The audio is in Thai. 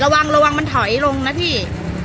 ระวังระวังมันถอยลงนะพี่